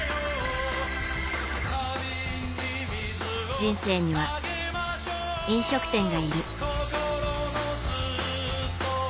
人生には、飲食店がいる。